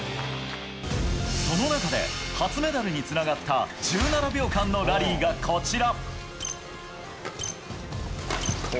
その中で初メダルにつながった１７秒間のラリーが、こちら。